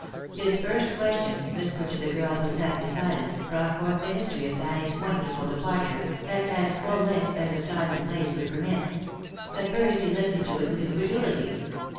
His first question, whispered to the girl who sat beside him, brought forth the history of Fanny's wonderful departure, at as full length as the time and place would permit. At first he listened to it with incredulity.